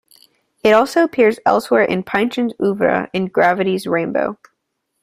It also appears elsewhere in Pynchon's oeuvre in Gravity's Rainbow.